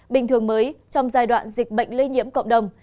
bình thường mới trong giai đoạn dịch bệnh lây nhiễm cộng đồng